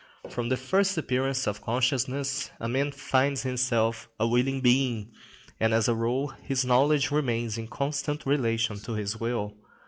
From the first appearance of consciousness, a man finds himself a willing being, and as a rule, his knowledge remains in constant relation to his will.